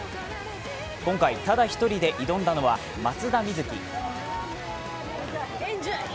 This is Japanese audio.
今回、ただ１人で挑んだのは松田瑞生。